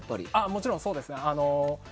もちろんそうですね。